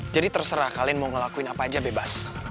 jadi terserah kalian mau ngelakuin apa aja bebas